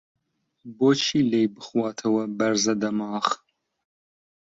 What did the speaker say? بۆ چی لێی بخواتەوە بەرزە دەماخ؟!